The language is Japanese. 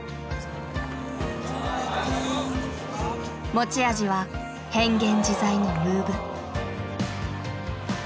持ち味は変幻自在のムーブ。